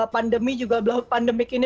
pandemi juga pandemi kini